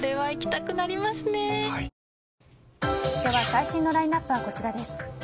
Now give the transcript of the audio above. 最新のラインアップはこちらです。